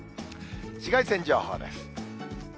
紫外線情報です。